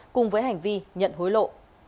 cùng với hành vi nhận hối lộ